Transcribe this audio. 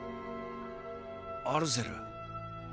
アルゼル。